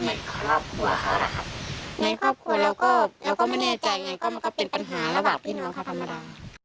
ในครอบครัวเราก็ไม่แน่ใจมันก็เป็นปัญหาระหว่างพี่น้องค่ะธรรมดา